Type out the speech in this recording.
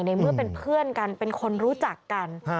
ในเมื่อเป็นเพื่อนกันเป็นคนรู้จักกัน